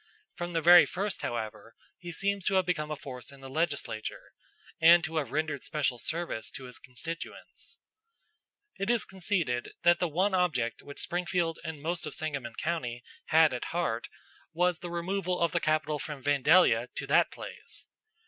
From the very first, however, he seems to have become a force in the legislature, and to have rendered special service to his constituents. It is conceded that the one object which Springfield and the most of Sangamon County had at heart was the removal of the capital from Vandalia to that place.